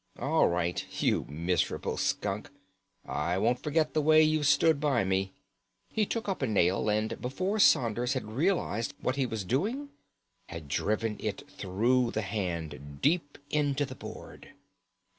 "All right, you miserable skunk. I won't forget the way you've stood by me." He took up a nail, and before Saunders had realised what he was doing had driven it through the hand, deep into the board.